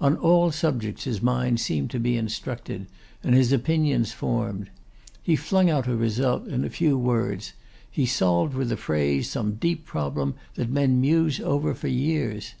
On all subjects his mind seemed to be instructed, and his opinions formed. He flung out a result in a few words; he solved with a phrase some deep problem that men muse over for years.